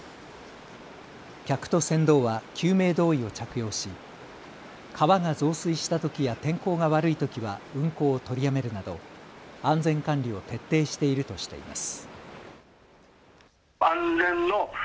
客と船頭は救命胴衣を着用し川が増水したときや天候が悪いときは運航を取りやめるなど安全管理を徹底しているとしています。